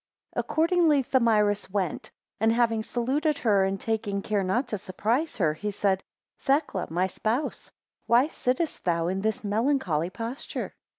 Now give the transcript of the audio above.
9 Accordingly Thamyris went, and having saluted her, and taking care not to surprise her, he said, Thecla, my spouse, why sittest thou in this melancholy posture?